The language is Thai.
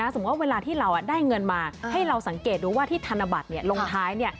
สมมุติเวลาที่เราได้เงินมาให้เราสังเกตดูว่าที่ธนบัตรลงท้าย